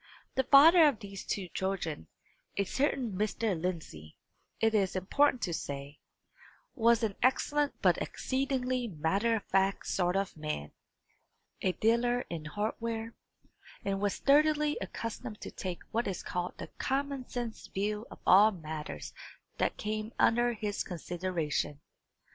The father of these two children, a certain Mr. Lindsey, it is important to say, was an excellent but exceedingly matter of fact sort of man, a dealer in hardware, and was sturdily accustomed to take what is called the common sense view of all matters that came under his consideration.